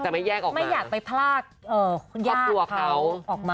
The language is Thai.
ไม่อยากไปพลาดญาติเขาออกมา